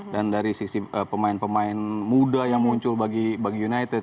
dan dari sisi pemain pemain muda yang muncul bagi united